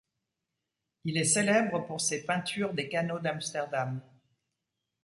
Il est célèbre pour ses peintures des canaux d'Amsterdam.